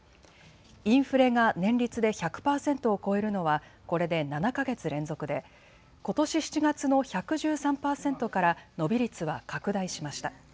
インフレが年率で１００％を超えるのはこれで７か月連続でことし７月の１１３％から伸び率は拡大しました。